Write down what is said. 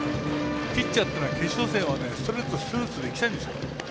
ピッチャーっていうのは決勝戦はストレートでいきたいんです。